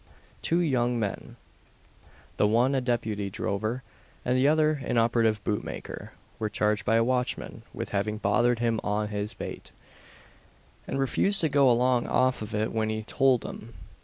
Two young men the one a deputy drover, and the other an operative boot maker were charged by a watchman with having "bother'd him on his bate," and refused to "go along off of it when he tould 'em."